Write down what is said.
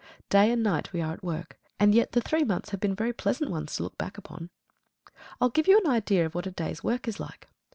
Day and night we are at work; and yet the three months have been very pleasant ones to look back upon. I'll give you an idea of what a day's work is like.